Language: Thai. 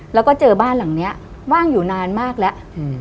แล้วก็เจอบ้านหลังเนี้ยว่างอยู่นานมากแล้ว